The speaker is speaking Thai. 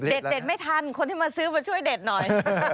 เด็ดไม่ทันคนที่มาซื้อมาช่วยเด็ดหน่อย